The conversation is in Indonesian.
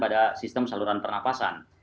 di sistem saluran pernafasan